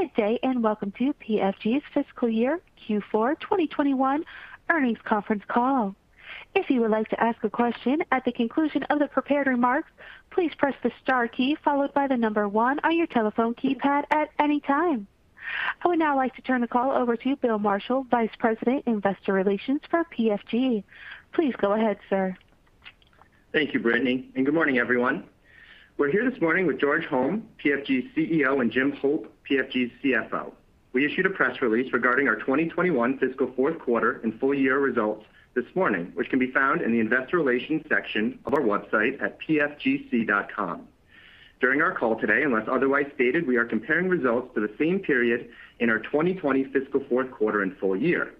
Good day, and welcome to PFG's Fiscal Year Q4 2021 Earnings Conference Call. If you would like to ask a question at the conclusion of the prepared remarks please press star key followed by number one on your telephone keypad. I would now like to turn the call over to Bill Marshall, Vice President, Investor Relations for PFG. Please go ahead, sir. Thank you, Brittany, and good morning, everyone. We're here this morning with George Holm, PFG's CEO, and Jim Hope, PFG's CFO. We issued a press release regarding our 2021 fiscal fourth quarter and full year results this morning, which can be found in the investor relations section of our website at pfgc.com. During our call today, unless otherwise stated, we are comparing results to the same period in our 2020 fiscal fourth quarter and full year.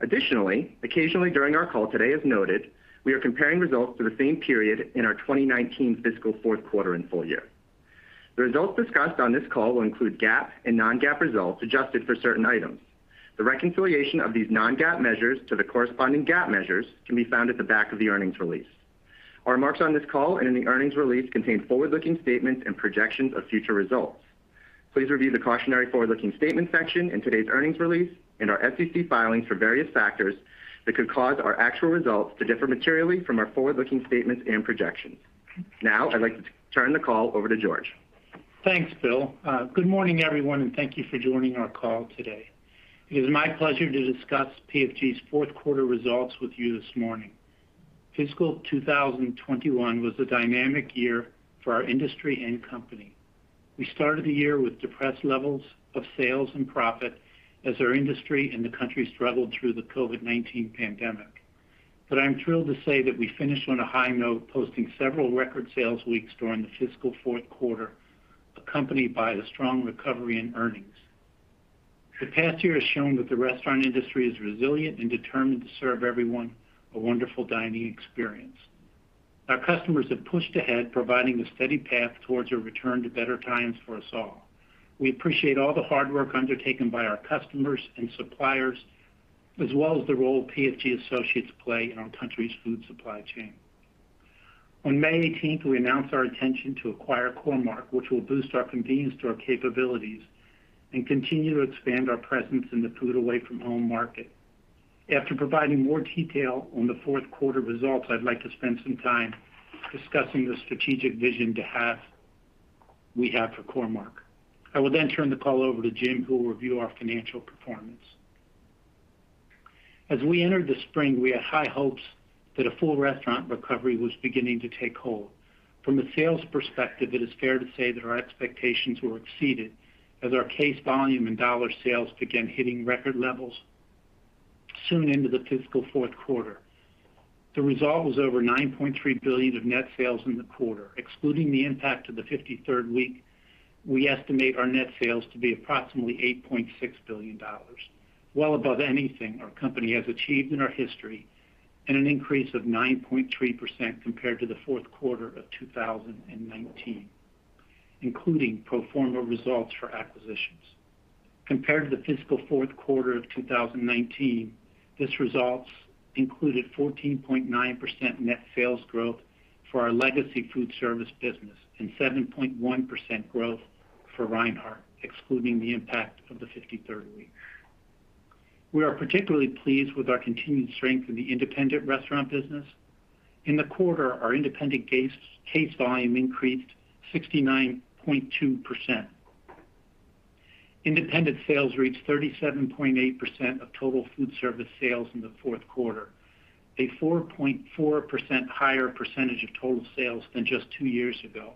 Additionally, occasionally during our call today, as noted, we are comparing results to the same period in our 2019 fiscal fourth quarter and full year. The results discussed on this call will include GAAP and non-GAAP results adjusted for certain items. The reconciliation of these non-GAAP measures to the corresponding GAAP measures can be found at the back of the earnings release. Our remarks on this call and in the earnings release contain forward-looking statements and projections of future results. Please review the cautionary forward-looking statement section in today's earnings release and our SEC filings for various factors that could cause our actual results to differ materially from our forward-looking statements and projections. Now, I'd like to turn the call over to George. Thanks, Bill. Good morning, everyone. Thank you for joining our call today. It is my pleasure to discuss PFG's fourth quarter results with you this morning. Fiscal 2021 was a dynamic year for our industry and company. We started the year with depressed levels of sales and profit as our industry and the country struggled through the COVID-19 pandemic. I'm thrilled to say that we finished on a high note, posting several record sales weeks during the fiscal fourth quarter, accompanied by a strong recovery in earnings. The past year has shown that the restaurant industry is resilient and determined to serve everyone a wonderful dining experience. Our customers have pushed ahead, providing a steady path towards a return to better times for us all. We appreciate all the hard work undertaken by our customers and suppliers, as well as the role PFG associates play in our country's food supply chain. On May 18th, we announced our intention to acquire Core-Mark, which will boost our convenience store capabilities and continue to expand our presence in the food away from home market. After providing more detail on the fourth quarter results, I'd like to spend some time discussing the strategic vision we have for Core-Mark. I will then turn the call over to Jim, who will review our financial performance. As we entered the spring, we had high hopes that a full restaurant recovery was beginning to take hold. From a sales perspective, it is fair to say that our expectations were exceeded as our case volume and dollar sales began hitting record levels soon into the fiscal fourth quarter. The result was over $9.3 billion of net sales in the quarter. Excluding the impact of the 53rd week, we estimate our net sales to be approximately $8.6 billion. Well above anything our company has achieved in our history, and an increase of 9.3% compared to the fourth quarter of 2019, including pro forma results for acquisitions. Compared to the fiscal fourth quarter of 2019, this results included 14.9% net sales growth for our legacy foodservice business and 7.1% growth for Reinhart, excluding the impact of the 53rd week. We are particularly pleased with our continued strength in the independent restaurant business. In the quarter, our independent case volume increased 69.2%. Independent sales reached 37.8% of total foodservice sales in the fourth quarter, a 4.4% higher percentage of total sales than just two years ago.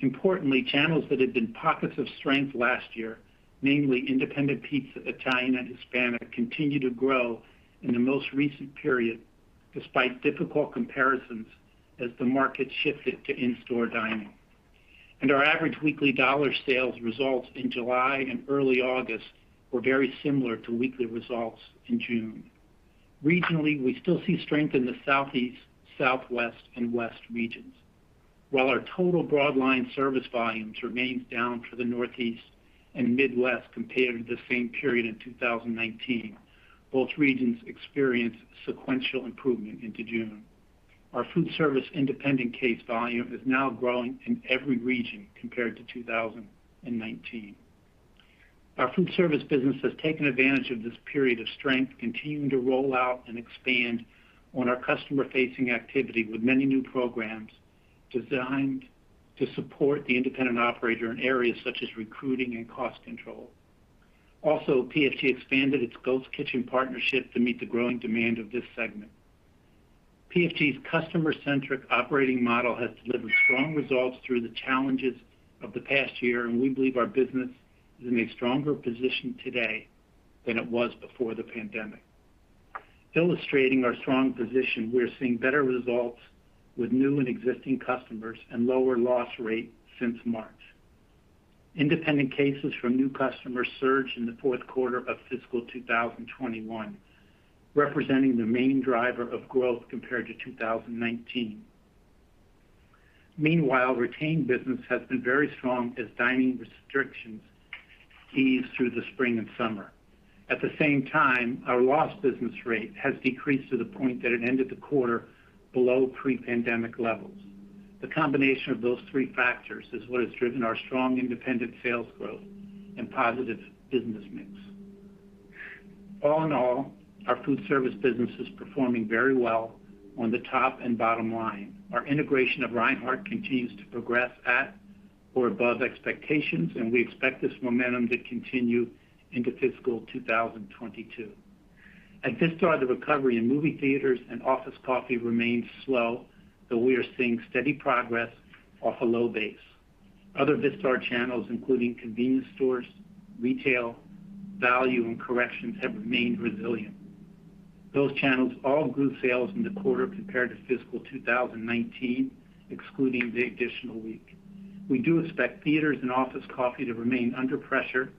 Importantly, channels that had been pockets of strength last year, namely independent pizza, Italian, and Hispanic, continued to grow in the most recent period despite difficult comparisons as the market shifted to in-store dining. Our average weekly dollar sales results in July and early August were very similar to weekly results in June. Regionally, we still see strength in the Southeast, Southwest, and West regions. While our total broadline service volumes remain down for the Northeast and Midwest compared to the same period in 2019, both regions experienced sequential improvement into June. Our foodservice independent case volume is now growing in every region compared to 2019. Our foodservice business has taken advantage of this period of strength, continuing to roll out and expand on our customer facing activity with many new programs designed to support the independent operator in areas such as recruiting and cost control. PFG expanded its ghost kitchen partnership to meet the growing demand of this segment. PFG's customer-centric operating model has delivered strong results through the challenges of the past year, and we believe our business is in a stronger position today than it was before the pandemic. Illustrating our strong position, we're seeing better results with new and existing customers and lower loss rate since March. Independent cases from new customers surged in the fourth quarter of fiscal 2021, representing the main driver of growth compared to 2019. Meanwhile, retained business has been very strong as dining restrictions eased through the spring and summer. At the same time, our lost business rate has decreased to the point that it ended the quarter below pre-pandemic levels. The combination of those three factors is what has driven our strong independent sales growth and positive business mix. All in all, our food service business is performing very well on the top and bottom line. Our integration of Reinhart continues to progress at or above expectations, and we expect this momentum to continue into fiscal 2022. At Vistar, the recovery in movie theaters and office coffee remains slow, but we are seeing steady progress off a low base. Other Vistar channels, including convenience stores, retail, value, and corrections, have remained resilient. Those channels all grew sales in the quarter compared to fiscal 2019, excluding the additional week. We do expect theaters and office coffee to remain under pressure,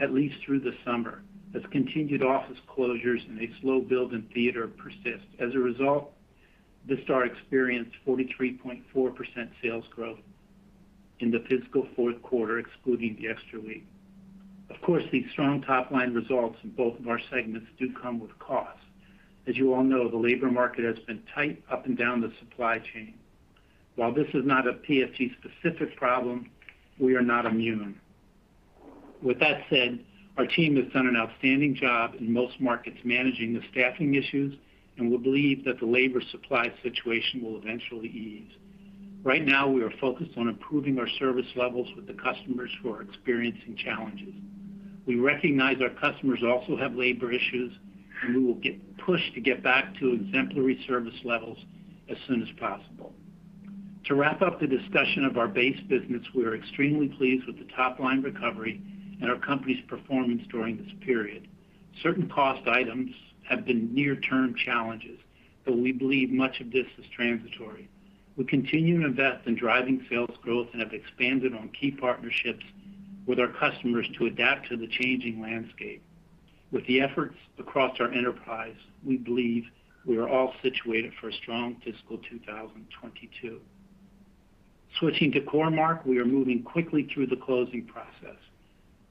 at least through the summer, as continued office closures and a slow build in theater persist. As a result, Vistar experienced 43.4% sales growth in the fiscal fourth quarter, excluding the extra week. Of course, these strong top-line results in both of our segments do come with costs. As you all know, the labor market has been tight up and down the supply chain. While this is not a PFG specific problem, we are not immune. With that said, our team has done an outstanding job in most markets managing the staffing issues, and we believe that the labor supply situation will eventually ease. Right now, we are focused on improving our service levels with the customers who are experiencing challenges. We recognize our customers also have labor issues, and we will push to get back to exemplary service levels as soon as possible. To wrap up the discussion of our base business, we are extremely pleased with the top-line recovery and our company's performance during this period. Certain cost items have been near-term challenges, but we believe much of this is transitory. We continue to invest in driving sales growth and have expanded on key partnerships with our customers to adapt to the changing landscape. With the efforts across our enterprise, we believe we are all situated for a strong fiscal 2022. Switching to Core-Mark, we are moving quickly through the closing process.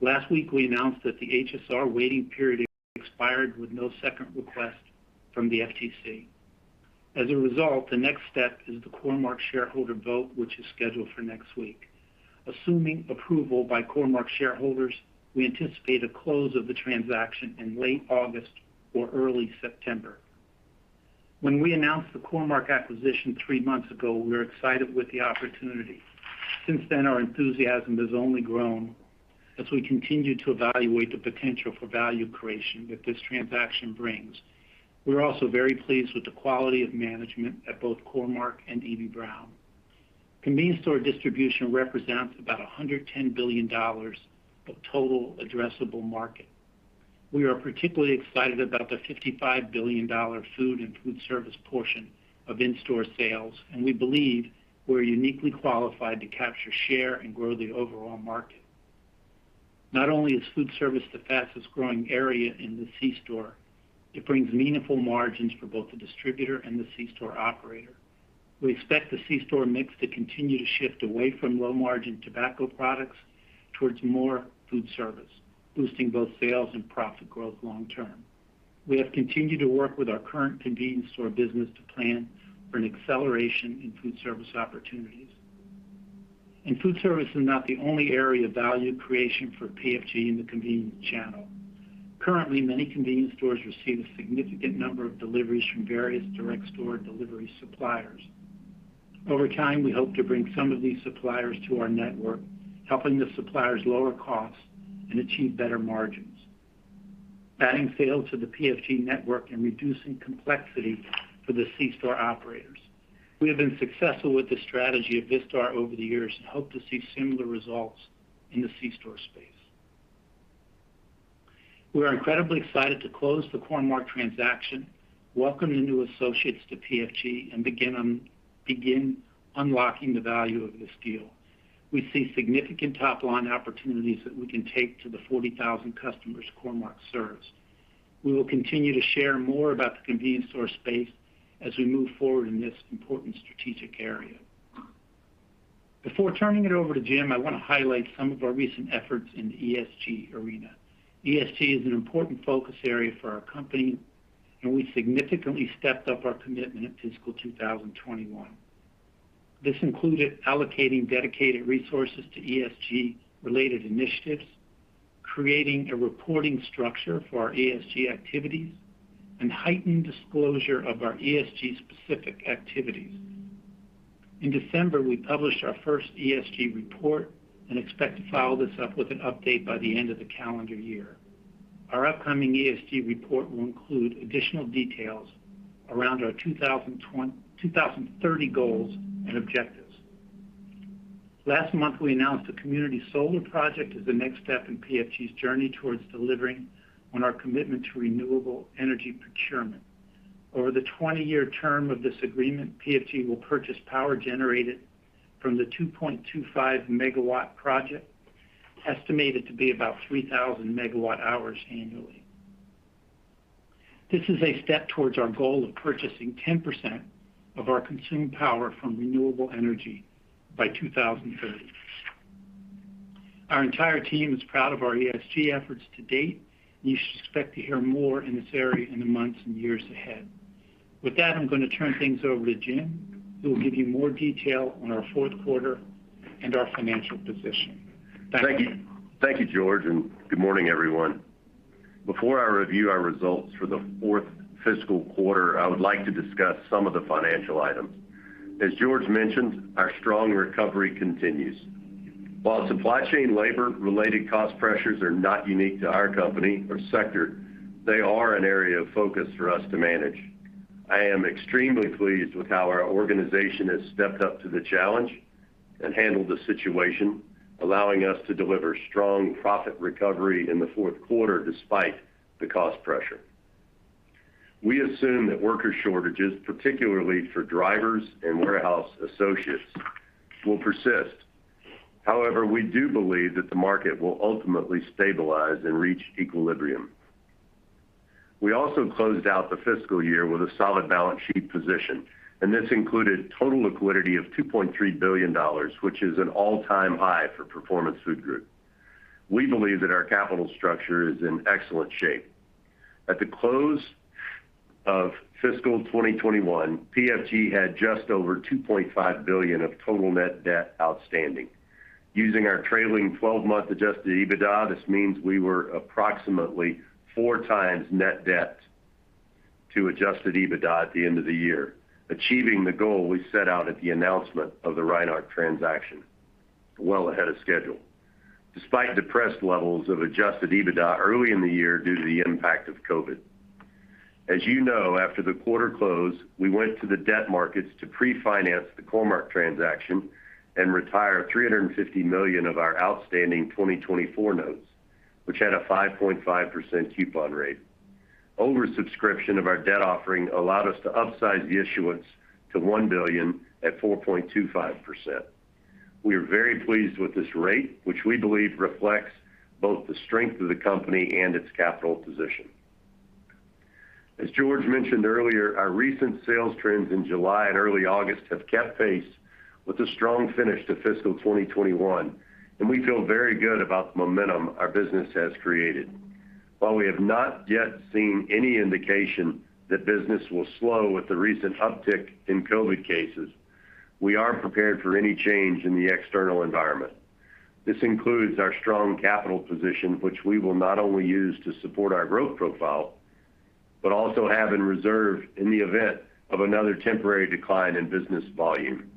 Last week, we announced that the HSR waiting period expired with no second request from the FTC. As a result, the next step is the Core-Mark shareholder vote, which is scheduled for next week. Assuming approval by Core-Mark shareholders, we anticipate a close of the transaction in late August or early September. When we announced the Core-Mark acquisition three months ago, we were excited with the opportunity. Since then, our enthusiasm has only grown as we continue to evaluate the potential for value creation that this transaction brings. We're also very pleased with the quality of management at both Core-Mark and Eby-Brown. Convenience store distribution represents about $110 billion of total addressable market. We are particularly excited about the $55 billion food and foodservice portion of in-store sales, and we believe we're uniquely qualified to capture share and grow the overall market. Not only is foodservice the fastest growing area in the C-store, it brings meaningful margins for both the distributor and the C-store operator. We expect the C-store mix to continue to shift away from low margin tobacco products towards more foodservice, boosting both sales and profit growth long term. We have continued to work with our current convenience store business to plan for an acceleration in foodservice opportunities. Foodservice is not the only area of value creation for PFG in the convenience channel. Currently, many convenience stores receive a significant number of deliveries from various direct store delivery suppliers. Over time, we hope to bring some of these suppliers to our network, helping the suppliers lower costs and achieve better margins, adding sales to the PFG network and reducing complexity for the C-store operators. We have been successful with this strategy at Vistar over the years and hope to see similar results in the C-store space. We are incredibly excited to close the Core-Mark transaction, welcome the new associates to PFG, and begin unlocking the value of this deal. We see significant top-line opportunities that we can take to the 40,000 customers Core-Mark serves. We will continue to share more about the convenience store space as we move forward in this important strategic area. Before turning it over to Jim, I want to highlight some of our recent efforts in the ESG arena. ESG is an important focus area for our company, and we significantly stepped up our commitment in fiscal 2021. This included allocating dedicated resources to ESG related initiatives, creating a reporting structure for our ESG activities, and heightened disclosure of our ESG specific activities. In December, we published our first ESG report and expect to follow this up with an update by the end of the calendar year. Our upcoming ESG report will include additional details around our 2030 goals and objectives. Last month, we announced a community solar project as the next step in PFG's journey towards delivering on our commitment to renewable energy procurement. Over the 20-year term of this agreement, PFG will purchase power generated from the 2.25 MW project, estimated to be about 3,000 MWh annually. This is a step towards our goal of purchasing 10% of our consumed power from renewable energy by 2030. Our entire team is proud of our ESG efforts to date. You should expect to hear more in this area in the months and years ahead. With that, I'm going to turn things over to Jim, who will give you more detail on our fourth quarter and our financial position. Thank you. Thank you, George. Good morning, everyone. Before I review our results for the fourth fiscal quarter, I would like to discuss some of the financial items. As George mentioned, our strong recovery continues. While supply chain labor-related cost pressures are not unique to our company or sector, they are an area of focus for us to manage. I am extremely pleased with how our organization has stepped up to the challenge and handled the situation, allowing us to deliver strong profit recovery in the fourth quarter, despite the cost pressure. We assume that worker shortages, particularly for drivers and warehouse associates, will persist. However, we do believe that the market will ultimately stabilize and reach equilibrium. We also closed out the fiscal year with a solid balance sheet position, and this included total liquidity of $2.3 billion, which is an all-time high for Performance Food Group. We believe that our capital structure is in excellent shape. At the close of fiscal 2021, PFG had just over $2.5 billion of total net debt outstanding. Using our trailing 12-month Adjusted EBITDA, this means we were approximately 4x net debt to Adjusted EBITDA at the end of the year, achieving the goal we set out at the announcement of the Reinhart transaction well ahead of schedule, despite depressed levels of Adjusted EBITDA early in the year due to the impact of COVID. As you know, after the quarter closed, we went to the debt markets to pre-finance the Core-Mark transaction and retire $350 million of our outstanding 2024 notes, which had a 5.5% coupon rate. Oversubscription of our debt offering allowed us to upsize the issuance to $1 billion at 4.25%. We are very pleased with this rate, which we believe reflects both the strength of the company and its capital position. As George mentioned earlier, our recent sales trends in July and early August have kept pace with a strong finish to fiscal 2021, and we feel very good about the momentum our business has created. While we have not yet seen any indication that business will slow with the recent uptick in COVID cases, we are prepared for any change in the external environment. This includes our strong capital position, which we will not only use to support our growth profile, but also have in reserve in the event of another temporary decline in business volume.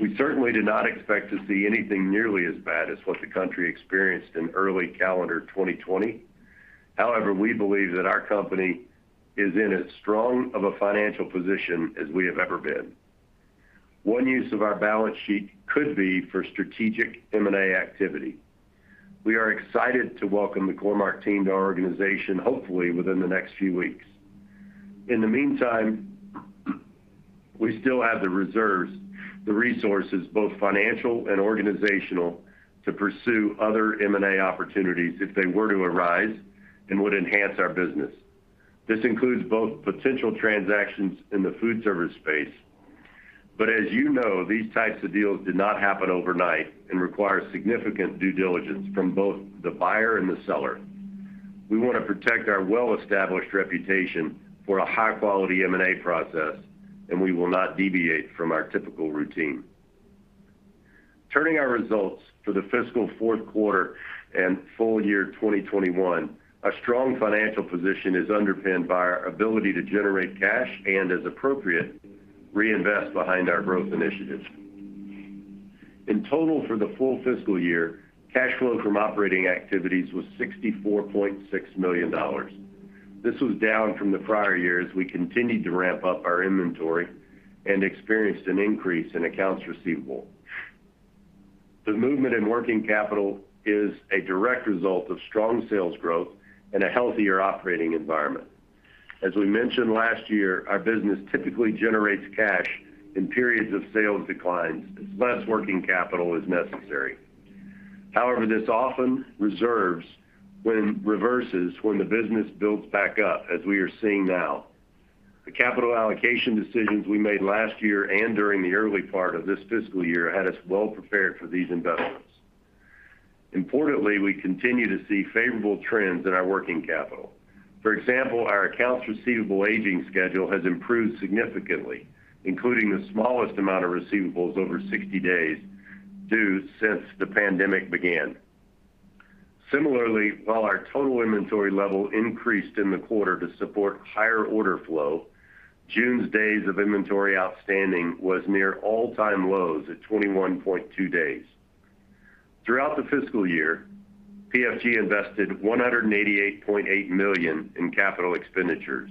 We certainly do not expect to see anything nearly as bad as what the country experienced in early calendar 2020. However, we believe that our company is in as strong of a financial position as we have ever been. One use of our balance sheet could be for strategic M&A activity. We are excited to welcome the Core-Mark team to our organization, hopefully within the next few weeks. In the meantime, we still have the reserves, the resources, both financial and organizational, to pursue other M&A opportunities if they were to arise and would enhance our business. This includes both potential transactions in the foodservice space, but as you know, these types of deals do not happen overnight and require significant due diligence from both the buyer and the seller. We want to protect our well-established reputation for a high-quality M&A process, and we will not deviate from our typical routine. Turning our results for the fiscal fourth quarter and full year 2021, our strong financial position is underpinned by our ability to generate cash and, as appropriate, reinvest behind our growth initiatives. In total, for the full fiscal year, cash flow from operating activities was $64.6 million. This was down from the prior years. We continued to ramp up our inventory and experienced an increase in accounts receivable. The movement in working capital is a direct result of strong sales growth and a healthier operating environment. However, this often reverses, when the business builds back up, as we are seeing now. The capital allocation decisions we made last year and during the early part of this fiscal year had us well prepared for these investments. Importantly, we continue to see favorable trends in our working capital. For example, our accounts receivable aging schedule has improved significantly, including the smallest amount of receivables over 60 days due since the pandemic began. Similarly, while our total inventory level increased in the quarter to support higher order flow, June's days of inventory outstanding was near all-time lows at 21.2 days. Throughout the fiscal year, PFG invested $188.8 million in capital expenditures,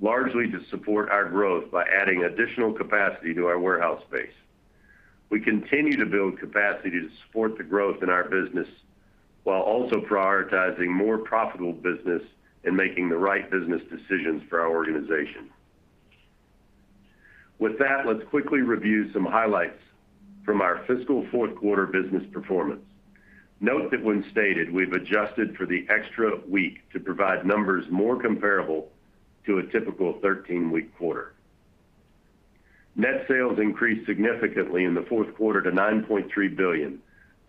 largely to support our growth by adding additional capacity to our warehouse space. We continue to build capacity to support the growth in our business while also prioritizing more profitable business and making the right business decisions for our organization. With that, let's quickly review some highlights from our fiscal fourth quarter business performance. Note that when stated, we've adjusted for the extra week to provide numbers more comparable to a typical 13-week quarter. Net sales increased significantly in the fourth quarter to $9.3 billion,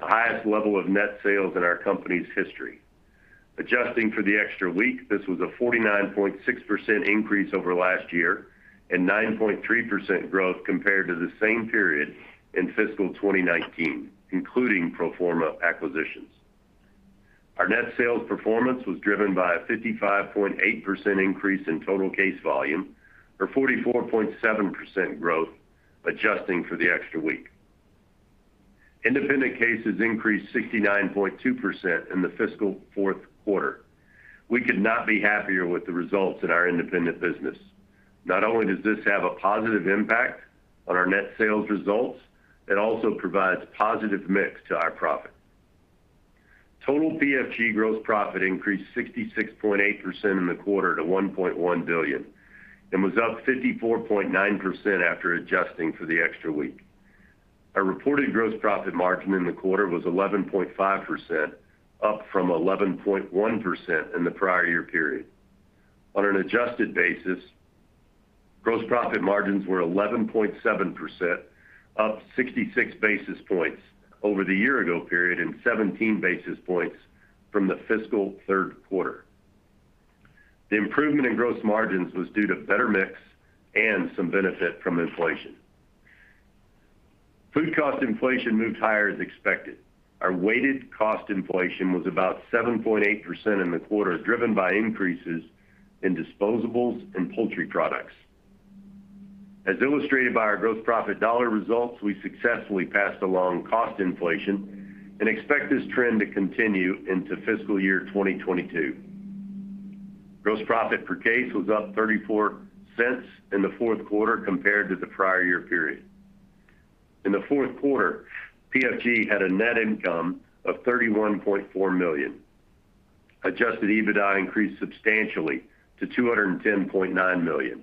the highest level of net sales in our company's history. Adjusting for the extra week, this was a 49.6% increase over last year and 9.3% growth compared to the same period in fiscal 2019, including pro forma acquisitions. Our net sales performance was driven by a 55.8% increase in total case volume, or 44.7% growth, adjusting for the extra week. Independent cases increased 69.2% in the fiscal fourth quarter. We could not be happier with the results in our independent business. Not only does this have a positive impact on our net sales results, it also provides positive mix to our profit. Total PFG gross profit increased 66.8% in the quarter to $1.1 billion and was up 54.9% after adjusting for the extra week. Our reported gross profit margin in the quarter was 11.5%, up from 11.1% in the prior year period. On an adjusted basis, gross profit margins were 11.7%, up 66 basis points over the year ago period and 17 basis points from the fiscal third quarter. The improvement in gross margins was due to better mix and some benefit from inflation. Food cost inflation moved higher as expected. Our weighted cost inflation was about 7.8% in the quarter, driven by increases in disposables and poultry products. As illustrated by our gross profit dollar results, we successfully passed along cost inflation and expect this trend to continue into fiscal year 2022. Gross profit per case was up $0.34 in the fourth quarter compared to the prior year period. In the fourth quarter, PFG had a net income of $31.4 million. Adjusted EBITDA increased substantially to $210.9 million.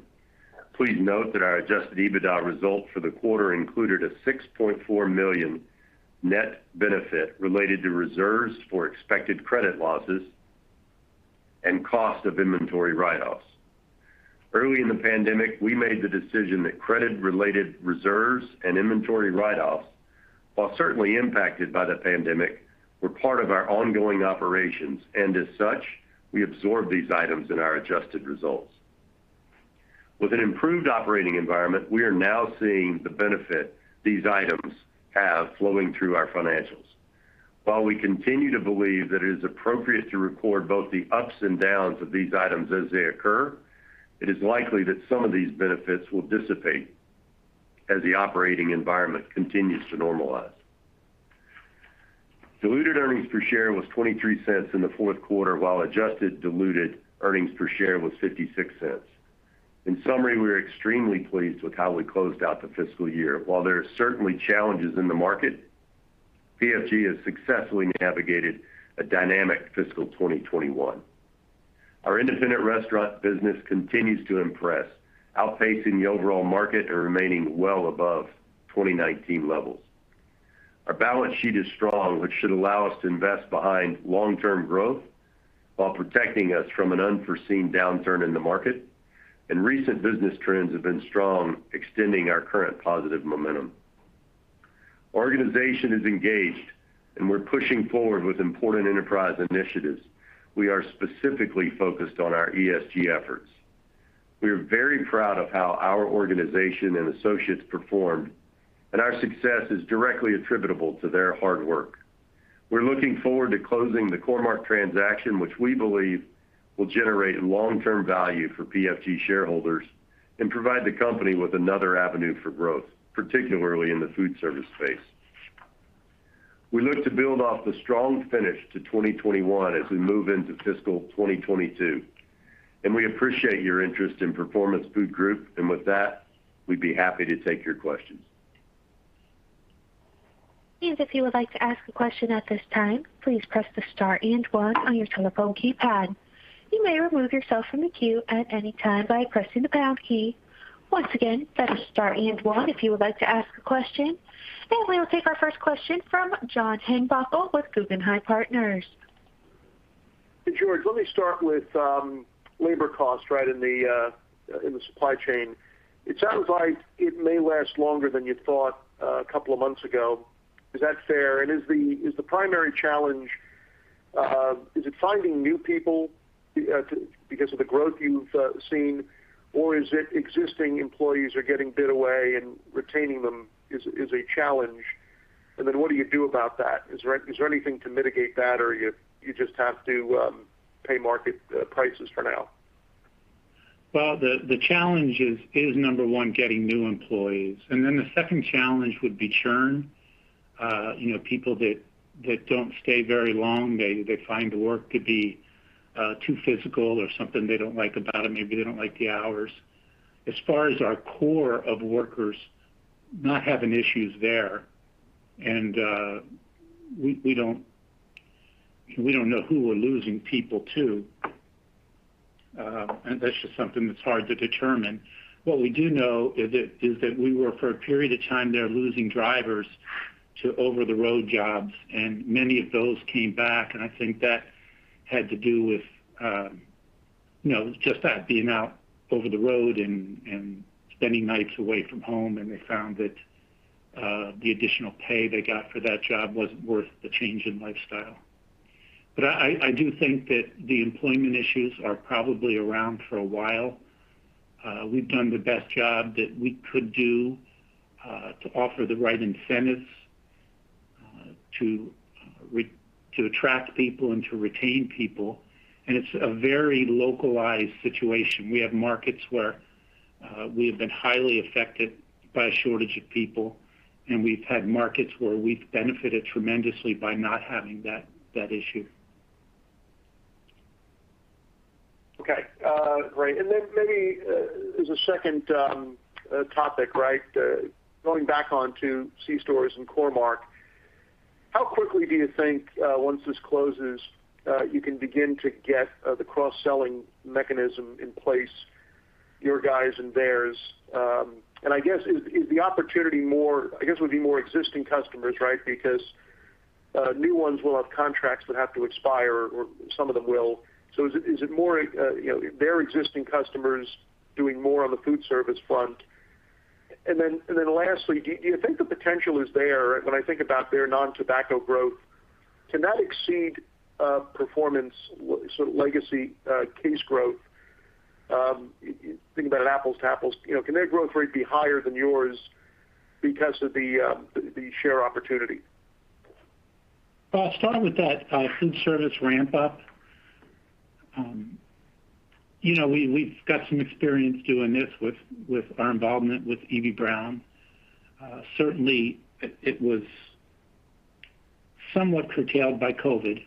Please note that our Adjusted EBITDA results for the quarter included a $6.4 million net benefit related to reserves for expected credit losses and cost of inventory write-offs. Early in the pandemic, we made the decision that credit-related reserves and inventory write-offs, while certainly impacted by the pandemic, were part of our ongoing operations, and as such, we absorb these items in our adjusted results. With an improved operating environment, we are now seeing the benefit these items have flowing through our financials. While we continue to believe that it is appropriate to record both the ups and downs of these items as they occur, it is likely that some of these benefits will dissipate as the operating environment continues to normalize. Diluted earnings per share was $0.23 in the fourth quarter, while adjusted diluted earnings per share was $0.56. In summary, we are extremely pleased with how we closed out the fiscal year. While there are certainly challenges in the market, PFG has successfully navigated a dynamic fiscal 2021. Our independent restaurant business continues to impress, outpacing the overall market and remaining well above 2019 levels. Our balance sheet is strong, which should allow us to invest behind long-term growth while protecting us from an unforeseen downturn in the market. Recent business trends have been strong, extending our current positive momentum. Organization is engaged and we're pushing forward with important enterprise initiatives. We are specifically focused on our ESG efforts. We are very proud of how our organization and associates performed, and our success is directly attributable to their hard work. We're looking forward to closing the Core-Mark transaction, which we believe will generate long-term value for PFG shareholders and provide the company with another avenue for growth, particularly in the foodservice space. We look to build off the strong finish to 2021 as we move into fiscal 2022, and we appreciate your interest in Performance Food Group. With that, we'd be happy to take your questions. If you would like to ask a question at this time, please press the star and one on your telephone keypad. You may remove yourself from the queue at any time by pressing the pound key. Once again, that is star and one if you would like to ask a question. We will take our first question from John Heinbockel with Guggenheim Partners. Hey, George. Let me start with labor cost right in the supply chain. It sounds like it may last longer than you thought a couple of months ago. Is that fair? Is the primary challenge, is it finding new people because of the growth you've seen, or is it existing employees are getting bid away and retaining them is a challenge? What do you do about that? Is there anything to mitigate that, or you just have to pay market prices for now? The challenge is, number one, getting new employees. The second challenge would be churn. People that don't stay very long. They find the work to be too physical or something they don't like about it. Maybe they don't like the hours. As far as our core of workers, not having issues there. We don't We don't know who we're losing people to. That's just something that's hard to determine. What we do know is that we were, for a period of time there, losing drivers to over-the-road jobs, and many of those came back. I think that had to do with just that, being out over the road and spending nights away from home, and they found that the additional pay they got for that job wasn't worth the change in lifestyle. I do think that the employment issues are probably around for a while. We've done the best job that we could do to offer the right incentives to attract people and to retain people, and it's a very localized situation. We have markets where we have been highly affected by a shortage of people, and we've had markets where we've benefited tremendously by not having that issue. Okay. Great. Maybe as a second topic, going back on to C-stores and Core-Mark, how quickly do you think, once this closes, you can begin to get the cross-selling mechanism in place, your guys and theirs? I guess, the opportunity more, I guess, would be more existing customers. Because new ones will have contracts that have to expire, or some of them will. Is it more their existing customers doing more on the foodservice front? Lastly, do you think the potential is there, when I think about their non-tobacco growth, can that exceed Performance, sort of legacy case growth? Thinking about it apples to apples, can their growth rate be higher than yours because of the share opportunity? Well, I'll start with that foodservice ramp-up. We've got some experience doing this with our involvement with Eby-Brown. Certainly, it was somewhat curtailed by COVID.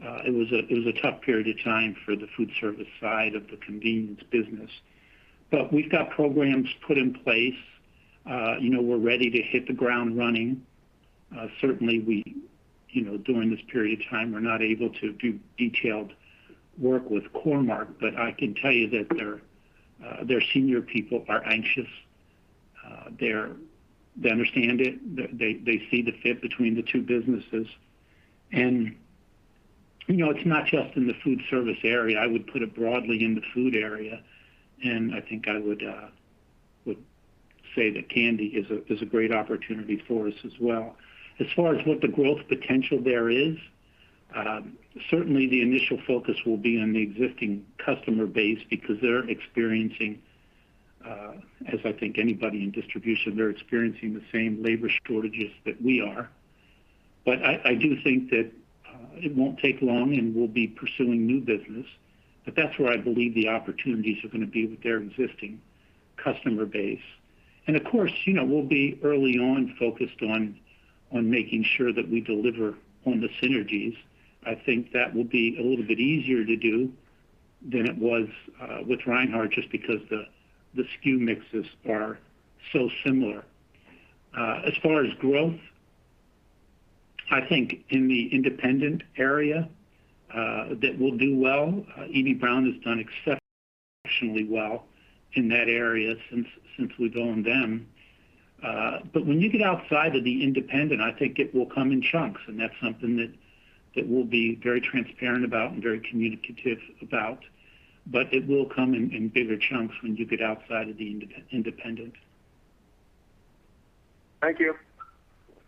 It was a tough period of time for the foodservice side of the convenience business. We've got programs put in place. We're ready to hit the ground running. Certainly, during this period of time, we're not able to do detailed work with Core-Mark, but I can tell you that their senior people are anxious. They understand it. They see the fit between the two businesses. It's not just in the foodservice area, I would put it broadly in the food area, and I think I would say that candy is a great opportunity for us as well. As far as what the growth potential there is, certainly, the initial focus will be on the existing customer base because they're experiencing, as I think anybody in distribution, they're experiencing the same labor shortages that we are. But I do think that it won't take long and we'll be pursuing new business, but that's where I believe the opportunities are going to be with their existing customer base. And, of course, we'll be early on focused on making sure that we deliver on the synergies. I think that will be a little bit easier to do than it was with Reinhart, just because the SKU mixes are so similar. As far as growth, I think in the independent area, that we'll do well. Eby-Brown has done exceptionally well in that area since we've owned them. When you get outside of the independent, I think it will come in chunks, and that's something that we'll be very transparent about and very communicative about. It will come in bigger chunks when you get outside of the independent. Thank you.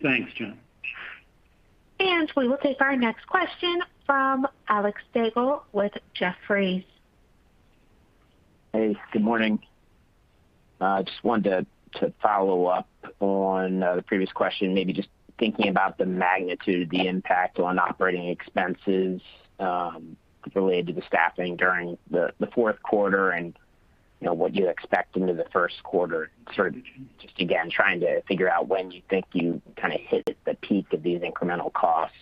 Thanks, John. We will take our next question from Alex Slagle with Jefferies. Hey, good morning. Just wanted to follow up on the previous question, maybe just thinking about the magnitude, the impact on operating expenses related to the staffing during the fourth quarter, and what you expect into the first quarter. Sort of just, again, trying to figure out when you think you kind of hit the peak of these incremental costs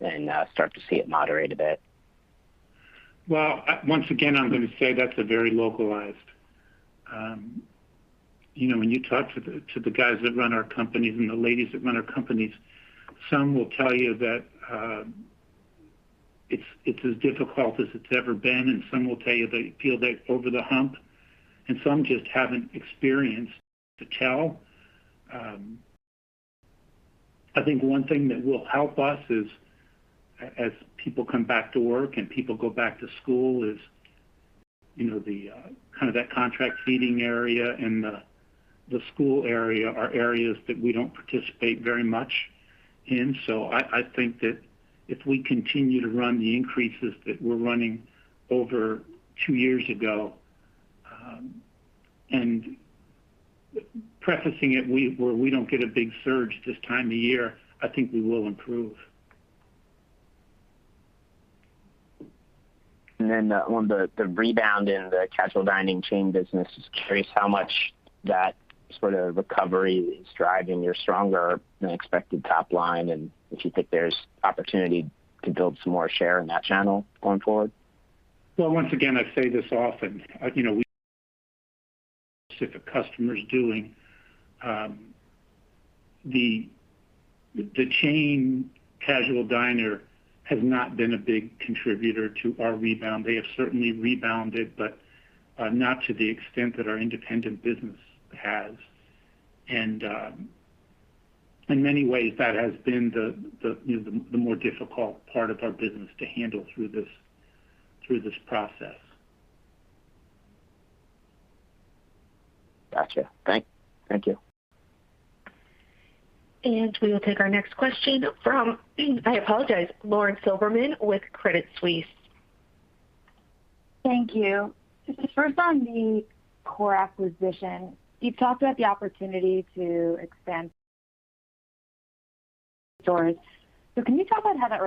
and start to see it moderate a bit. Well, once again, I'm going to say that's very localized. When you talk to the guys that run our companies and the ladies that run our companies, some will tell you that it's as difficult as it's ever been, and some will tell you they feel they're over the hump, and some just haven't experienced to tell. I think one thing that will help us is, as people come back to work and people go back to school is, kind of that contract feeding area and the school area are areas that we don't participate very much in. I think that if we continue to run the increases that we're running over two years ago, and prefacing it where we don't get a big surge this time of year, I think we will improve. On the rebound in the casual dining chain business, just curious how much that sort of recovery is driving your stronger than expected top line, and if you think there's opportunity to build some more share in that channel going forward? Well, once again, I say this often. The chain casual diner has not been a big contributor to our rebound. They have certainly rebounded, not to the extent that our independent business has. In many ways, that has been the more difficult part of our business to handle through this process. Got you. Thank you. We will take our next question from, I apologize, Lauren Silberman with Credit Suisse. Thank you. First on the Core acquisition, you've talked about the opportunity to expand stores. Can you talk about how that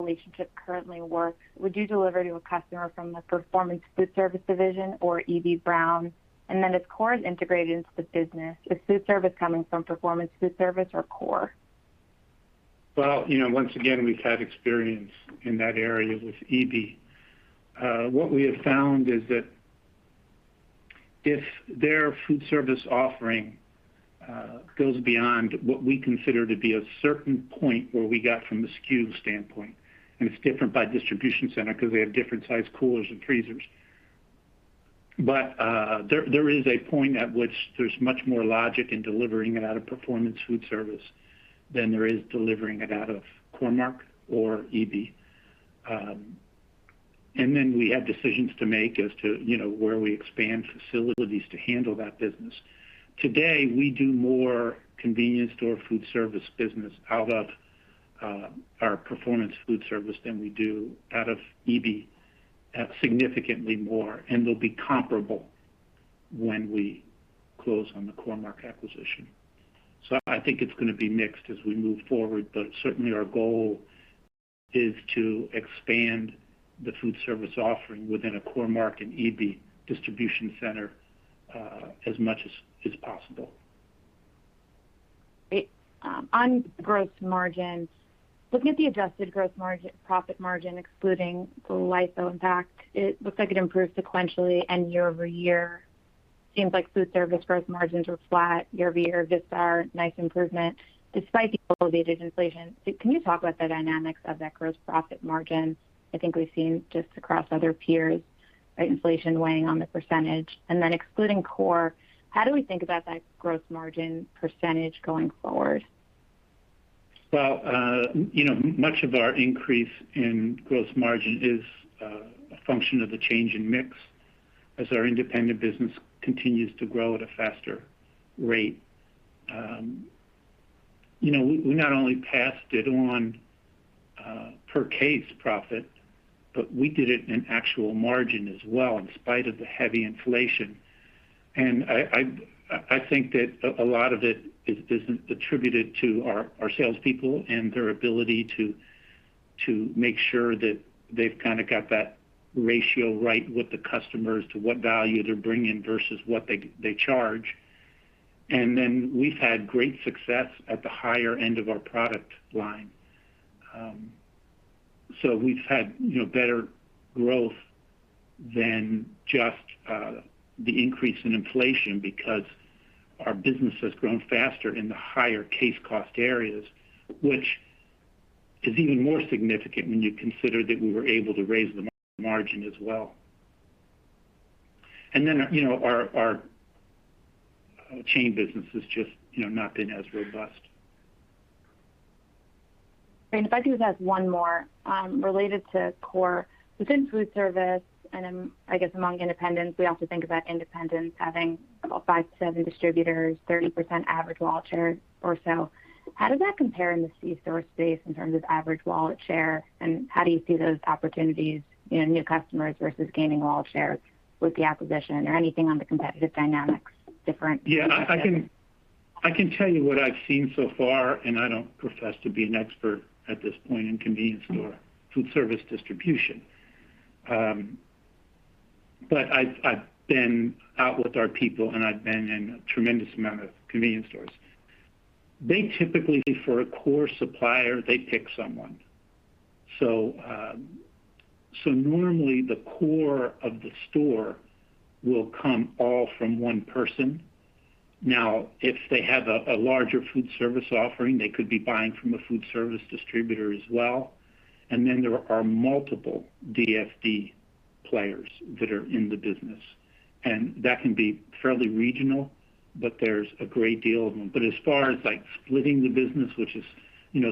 relationship currently works? Would you deliver to a customer from the Performance Foodservice division or Eby-Brown, and then as Core is integrated into the business, is foodservice coming from Performance Foodservice or Core? Once again, we've had experience in that area with Eby. What we have found is that if their foodservice offering goes beyond what we consider to be a certain point where we got from a SKU standpoint, and it's different by distribution center because they have different size coolers and freezers. There is a point at which there's much more logic in delivering it out of Performance Foodservice than there is delivering it out of Core-Mark or Eby. Then we have decisions to make as to where we expand facilities to handle that business. Today, we do more convenience store foodservice business out of our Performance Foodservice than we do out of Eby. Significantly more, and they'll be comparable when we close on the Core-Mark acquisition. I think it's going to be mixed as we move forward. Certainly our goal is to expand the foodservice offering within a Core-Mark and Eby. distribution center as much as possible. Great. On gross margins, looking at the adjusted gross margin, profit margin, excluding the LIFO impact, it looks like it improved sequentially and YoY. Seems like foodservice gross margins were flat YoY. Vistar, nice improvement despite the elevated inflation. Can you talk about the dynamics of that gross profit margin? I think we've seen just across other peers, inflation weighing on the percentage. Excluding Core, how do we think about that gross margin percentage going forward? Well, much of our increase in gross margin is a function of the change in mix as our independent business continues to grow at a faster rate. We not only passed it on per case profit, but we did it in actual margin as well, in spite of the heavy inflation. I think that a lot of it is attributed to our salespeople and their ability to make sure that they've kind of got that ratio right with the customers to what value they're bringing versus what they charge. We've had great success at the higher end of our product line. We've had better growth than just the increase in inflation because our business has grown faster in the higher case cost areas, which is even more significant when you consider that we were able to raise the margin as well. Our chain business has just not been as robust. If I could just ask one more related to Core, within foodservice, and I guess among independents, we also think about independents having about five to seven distributors, 30% average wallet share or so. How does that compare in the C-store space in terms of average wallet share, and how do you see those opportunities, new customers versus gaining wallet share with the acquisition or anything on the competitive dynamics different? Yeah, I can tell you what I've seen so far, and I don't profess to be an expert at this point in convenience store foodservice distribution. I've been out with our people, and I've been in a tremendous amount of convenience stores. They typically, for a core supplier, they pick someone. Normally, the core of the store will come all from one person. Now, if they have a larger foodservice offering, they could be buying from a foodservice distributor as well. Then there are multiple DSD players that are in the business, and that can be fairly regional, but there's a great deal of them. As far as splitting the business, which is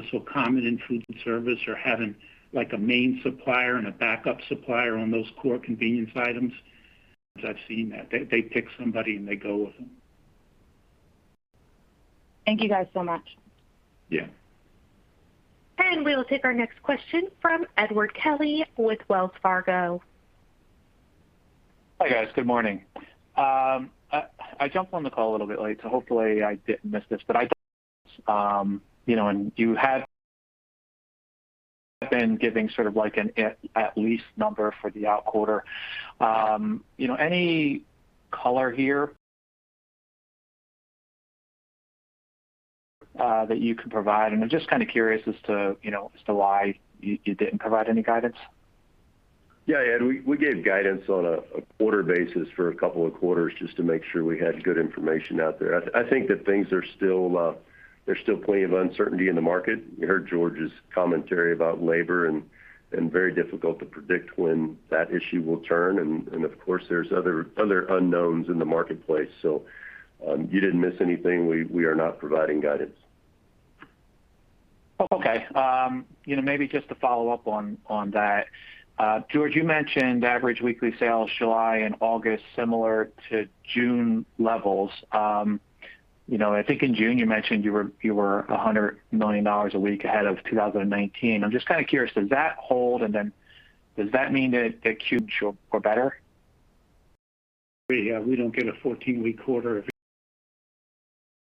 so common in foodservice or having a main supplier and a backup supplier on those core convenience items, I've seen that. They pick somebody, and they go with them. Thank you guys so much. Yeah. We will take our next question from Edward Kelly with Wells Fargo. Hi, guys. Good morning. I jumped on the call a little bit late, so hopefully I didn't miss this, but I thought and you had been giving sort of like an at least number for the out quarter. Any color here that you could provide? I'm just kind of curious as to why you didn't provide any guidance. Yeah, Ed, we gave guidance on a quarter basis for a couple of quarters just to make sure we had good information out there. I think that there's still plenty of uncertainty in the market. You heard George's commentary about labor, and very difficult to predict when that issue will turn. Of course, there's other unknowns in the marketplace. You didn't miss anything. We are not providing guidance. Okay. Maybe just to follow up on that. George, you mentioned average weekly sales July and August, similar to June levels. I think in June you mentioned you were $100 million a week ahead of 2019. I'm just kind of curious, does that hold, and then does that mean that Q3 will be better? We don't get a 14-week quarter.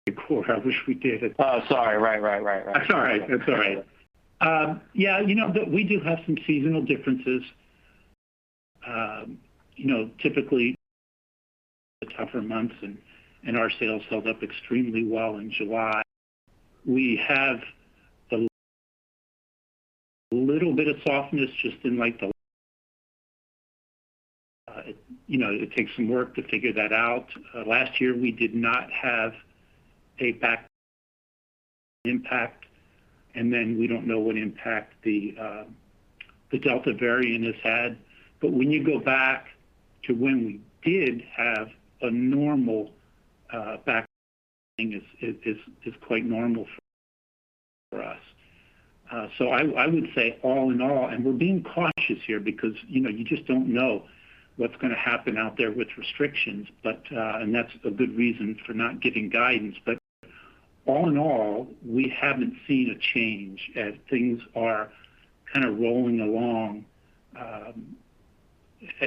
I wish we did. Oh, sorry. Right. That's all right. Yeah. We do have some seasonal differences. Typically, the tougher months. Our sales held up extremely well in July. We have a little bit of softness. It takes some work to figure that out. Last year, we did not have a back impact. We don't know what impact the Delta variant has had. When you go back to when we did have a normal back is quite normal for us. I would say all in all. We're being cautious here because you just don't know what's going to happen out there with restrictions. That's a good reason for not giving guidance. All in all, we haven't seen a change as things are kind of rolling along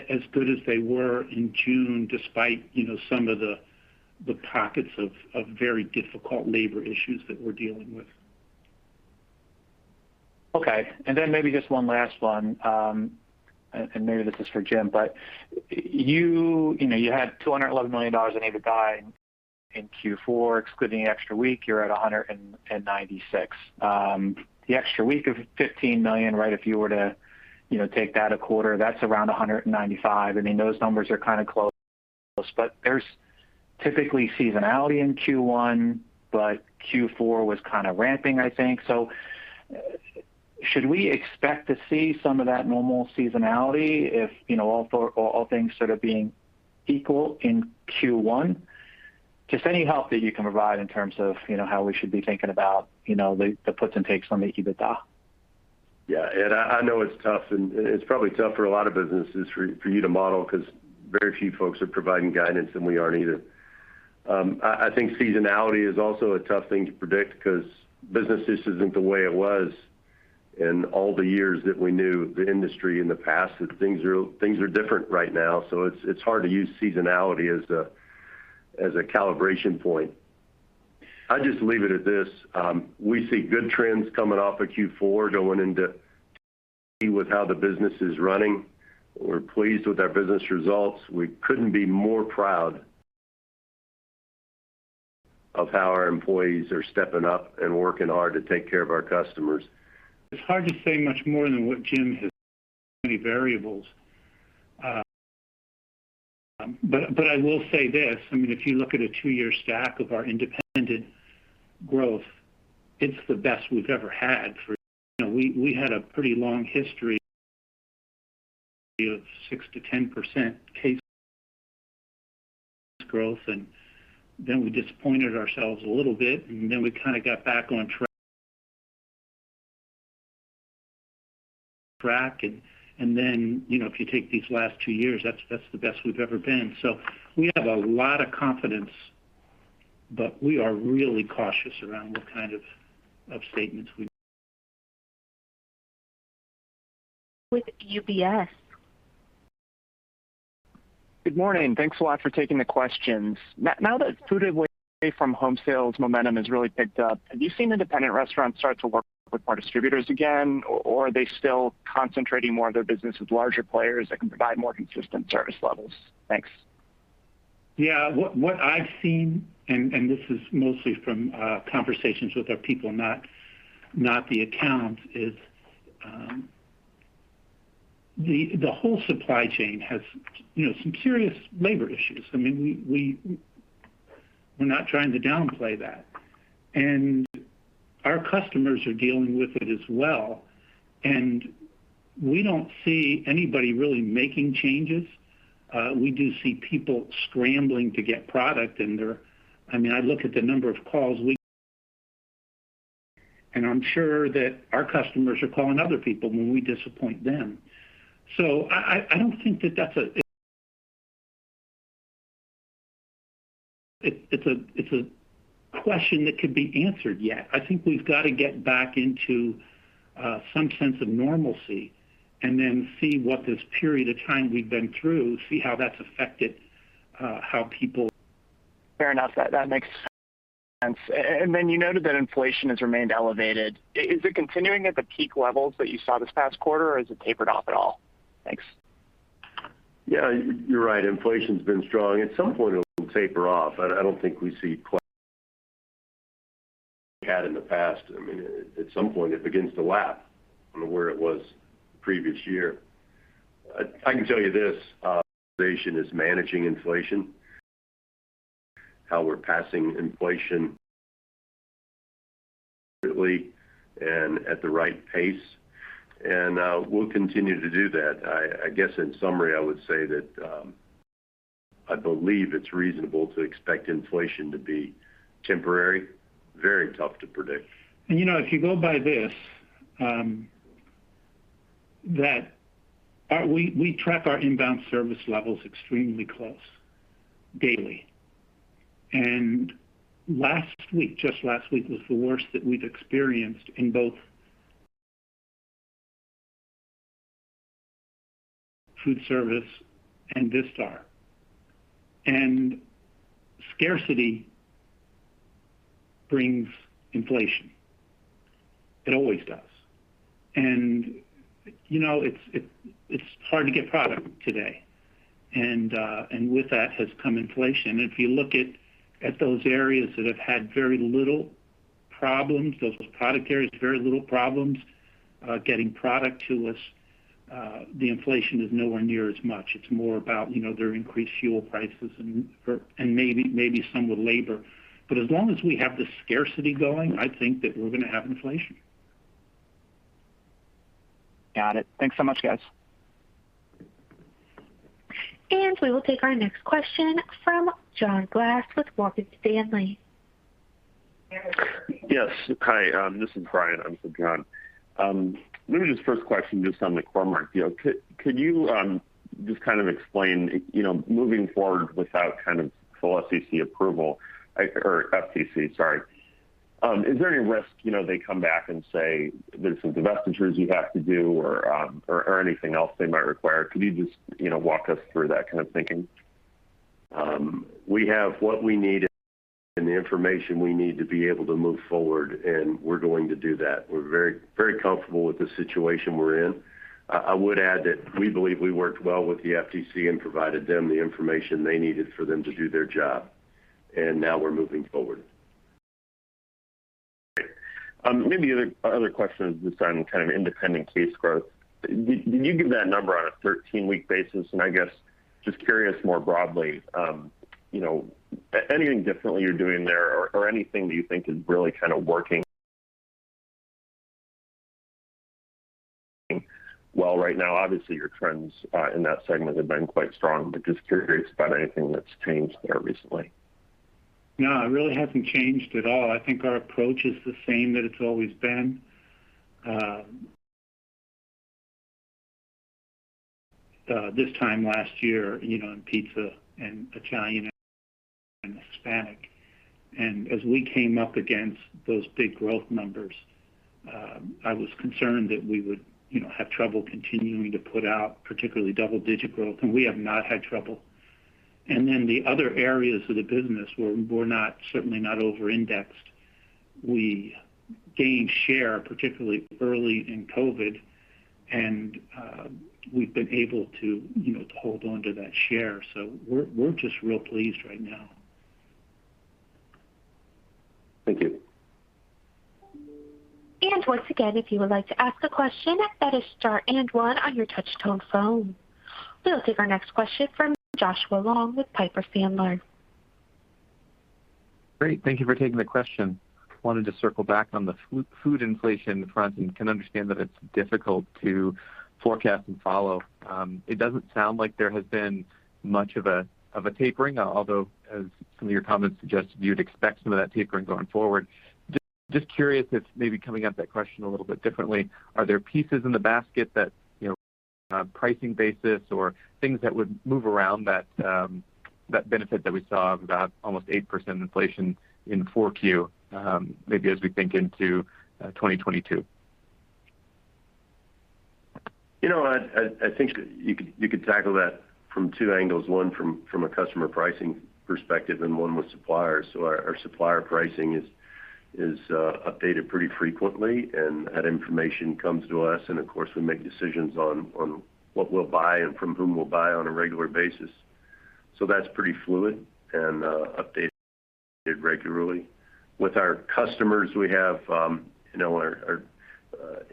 as good as they were in June, despite some of the pockets of very difficult labor issues that we're dealing with. Okay. Then maybe just one last one, and maybe this is for Jim. You had $211 million in EBITDA in Q4. Excluding the extra week, you're at $196 million. The extra week of $15 million, right? If you were to take that a quarter, that's around $195 million. Those numbers are kind of close. There's typically seasonality in Q1, but Q4 was kind of ramping, I think. Should we expect to see some of that normal seasonality if all things sort of being equal in Q1? Just any help that you can provide in terms of how we should be thinking about the puts and takes on the EBITDA. Ed, I know it's tough, and it's probably tough for a lot of businesses for you to model because very few folks are providing guidance, and we aren't either. I think seasonality is also a tough thing to predict because business just isn't the way it was in all the years that we knew the industry in the past. Things are different right now. It's hard to use seasonality as a calibration point. I'd just leave it at this. We see good trends coming off of Q4, going into with how the business is running. We're pleased with our business results. We couldn't be more proud of how our employees are stepping up and working hard to take care of our customers. It's hard to say much more than what Jim has. Many variables. I will say this, if you look at a two year stack of our independent growth, it's the best we've ever had. We had a pretty long history of 6%-10% case growth, and then we disappointed ourselves a little bit, and then we kind of got back on track. If you take these last two years, that's the best we've ever been. We have a lot of confidence, but we are really cautious around what kind of statements we make. With UBS. Good morning. Thanks a lot for taking the questions. Now that food away from home sales momentum has really picked up, have you seen independent restaurants start to work with more distributors again, or are they still concentrating more of their business with larger players that can provide more consistent service levels? Thanks. Yeah. What I've seen, and this is mostly from conversations with our people, not the accounts, is the whole supply chain has some serious labor issues. We're not trying to downplay that. Our customers are dealing with it as well, and we don't see anybody really making changes. We do see people scrambling to get product. I look at the number of calls we get, and I'm sure that our customers are calling other people when we disappoint them. I don't think that it's a question that could be answered yet. I think we've got to get back into some sense of normalcy and then see what this period of time we've been through, see how that's affected how people. Fair enough. That makes sense. You noted that inflation has remained elevated. Is it continuing at the peak levels that you saw this past quarter, or has it tapered off at all? Thanks. Yeah, you're right. Inflation's been strong. At some point, it will taper off. I don't think we see quite what we had in the past. At some point, it begins to lap on where it was the previous year. I can tell you this, our organization is managing inflation, how we're passing inflation and at the right pace. We'll continue to do that. I guess, in summary, I would say that I believe it's reasonable to expect inflation to be temporary. Very tough to predict. If you go by this, that we track our inbound service levels extremely close daily. Last week, just last week, was the worst that we've experienced in both foodservice and Vistar. Scarcity brings inflation. It always does. It's hard to get product today. With that, has come inflation. If you look at those areas that have had very little problems, those product areas, very little problems getting product to us, the inflation is nowhere near as much. It's more about their increased fuel prices and maybe some with labor. As long as we have the scarcity going, I think that we're going to have inflation. Got it. Thanks so much, guys. We will take our next question from John Glass with Morgan Stanley. Yes. Hi, this is Brian. I'm with John. Maybe just first question just on the Core-Mark. Could you just explain, moving forward without full FTC approval, or FTC, sorry. Is there any risk they come back and say there's some divestitures you have to do or anything else they might require? Could you just walk us through that kind of thinking? We have what we need and the information we need to be able to move forward. We're going to do that. We're very comfortable with the situation we're in. I would add that we believe we worked well with the FTC and provided them the information they needed for them to do their job. Now we're moving forward. Great. Maybe other question is just on kind of independent case growth. You give that number on a 13-week basis, and I guess, just curious more broadly, anything differently you're doing there or anything that you think is really kind of working well right now? Obviously, your trends in that segment have been quite strong, but just curious about anything that's changed there recently. No, it really hasn't changed at all. I think our approach is the same that it's always been. This time last year, in pizza and Italian and Hispanic. As we came up against those big growth numbers, I was concerned that we would have trouble continuing to put out particularly double-digit growth, and we have not had trouble. Then the other areas of the business where we're certainly not over-indexed. We gained share, particularly early in COVID, and we've been able to hold onto that share. We're just real pleased right now. Thank you. Once again, if you would like to ask a question, that is star and one on your touch-tone phone. We will take our next question from Joshua Long with Piper Sandler. Great. Thank you for taking the question. Wanted to circle back on the food inflation front and can understand that it's difficult to forecast and follow. It doesn't sound like there has been much of a tapering, although, as some of your comments suggested, you'd expect some of that tapering going forward. Just curious if, maybe coming at that question a little bit differently, are there pieces in the basket that, pricing basis or things that would move around that benefit that we saw of about almost 8% inflation in Q4, maybe as we think into 2022? I think you could tackle that from two angles. One from a customer pricing perspective and one with suppliers. Our supplier pricing is updated pretty frequently, and that information comes to us, and of course, we make decisions on what we'll buy and from whom we'll buy on a regular basis. That's pretty fluid and updated regularly. With our customers, we have our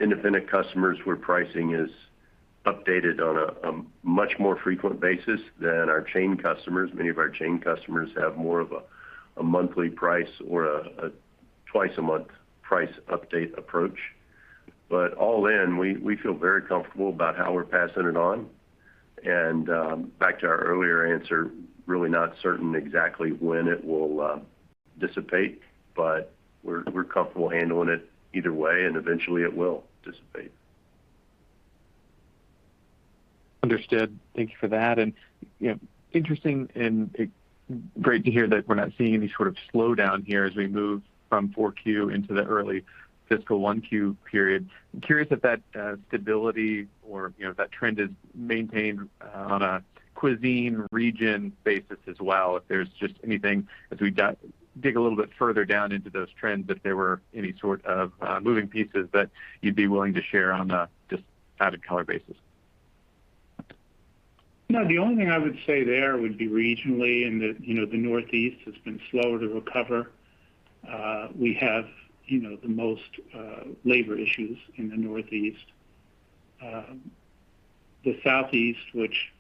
independent customers where pricing is updated on a much more frequent basis than our chain customers. Many of our chain customers have more of a monthly price or a twice a month price update approach. All in, we feel very comfortable about how we're passing it on. Back to our earlier answer, really not certain exactly when it will dissipate, but we're comfortable handling it either way, and eventually it will dissipate. Understood. Thank you for that. Interesting and great to hear that we're not seeing any sort of slowdown here as we move from Q4 into the early fiscal Q1 period. I'm curious if that stability or if that trend is maintained on a cuisine region basis as well. If there's just anything as we dig a little bit further down into those trends, if there were any sort of moving pieces that you'd be willing to share on a just added color basis. No, the only thing I would say there would be regionally, and that the Northeast has been slower to recover. We have the most labor issues in the Northeast. The Southeast, which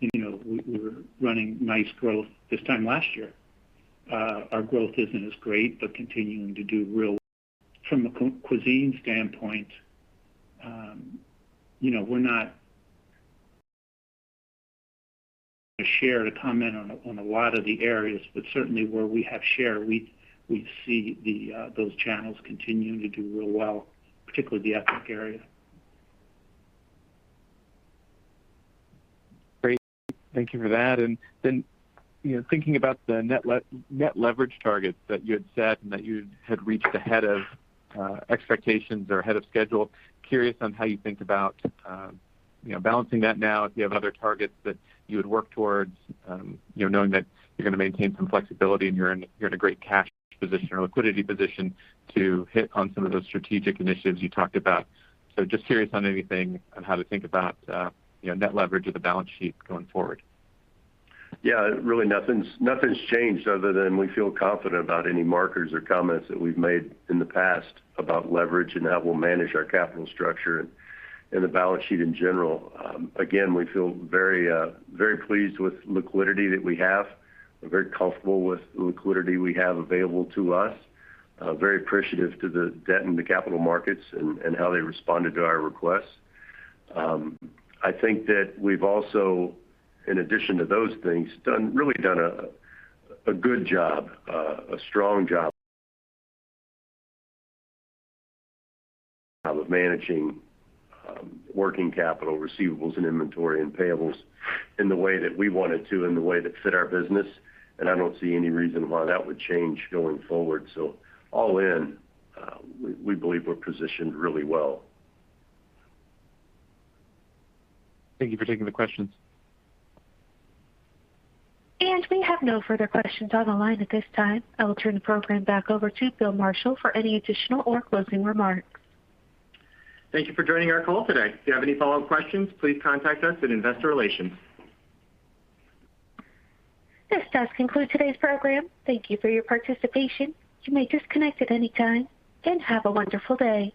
we were running nice growth this time last year, our growth isn't as great. From a cuisine standpoint, we're not sure to comment on a lot of the areas, but certainly where we have share, we see those channels continuing to do real well, particularly the ethnic area. Great. Thank you for that. Thinking about the net leverage targets that you had set and that you had reached ahead of expectations or ahead of schedule, curious on how you think about balancing that now, if you have other targets that you would work towards, knowing that you're going to maintain some flexibility and you're in a great cash position or liquidity position to hit on some of those strategic initiatives you talked about. Just curious on anything on how to think about net leverage of the balance sheet going forward. Yeah. Really nothing's changed other than we feel confident about any markers or comments that we've made in the past about leverage and how we'll manage our capital structure and the balance sheet in general. Again, we feel very pleased with the liquidity that we have. We're very comfortable with the liquidity we have available to us. Very appreciative to the debt and the capital markets and how they responded to our requests. I think that we've also, in addition to those things, really done a good job, a strong job of managing working capital receivables and inventory and payables in the way that we wanted to, in the way that fit our business, and I don't see any reason why that would change going forward. All in, we believe we're positioned really well. Thank you for taking the questions. We have no further questions on the line at this time. I will turn the program back over to Bill Marshall for any additional or closing remarks. Thank you for joining our call today. If you have any follow-up questions, please contact us at Investor Relations. This does conclude today's program. Thank you for your participation. You may disconnect at any time, and have a wonderful day.